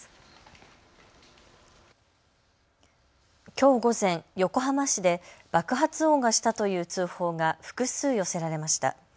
きょう午前、横浜市で爆発音がしたという通報が複数寄せられました。